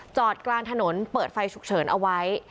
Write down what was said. จอดกลางถนนเปิดไฟฉุกเฉินเอาไว้